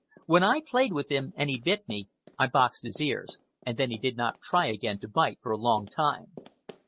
When I played with him and he bit me, I boxed his ears, and then he did not try again to bite for a long time.